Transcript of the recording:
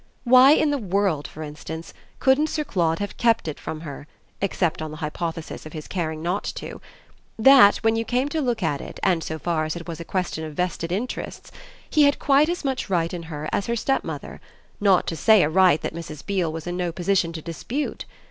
Why in the world, for instance, couldn't Sir Claude have kept it from her except on the hypothesis of his not caring to that, when you came to look at it and so far as it was a question of vested interests, he had quite as much right in her as her stepmother, not to say a right that Mrs. Beale was in no position to dispute?